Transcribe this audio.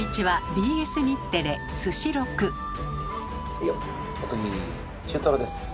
はいよお次中トロです。